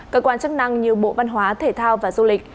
cơ quan chức năng như bộ văn hóa thể thao và du lịch